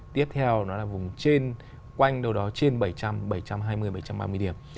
tiếp theo nó là vùng trên quanh đâu đó trên bảy trăm linh bảy trăm hai mươi bảy trăm ba mươi điểm